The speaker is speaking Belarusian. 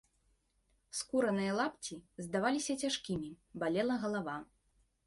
Скураныя лапці здаваліся цяжкімі, балела галава.